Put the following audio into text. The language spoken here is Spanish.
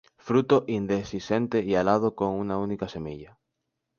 Fruto indehiscente y alado con una única semilla.